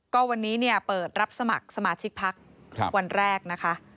ก็วันนี้เปิดรับสมัครสมาชิกพักวันแรกนะคะ